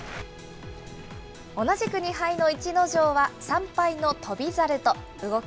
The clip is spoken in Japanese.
同じく２敗の逸ノ城は３敗の翔猿と。